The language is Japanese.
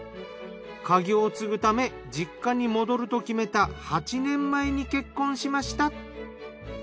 家業を継ぐため実家に戻ると決めた８年前に結婚しました。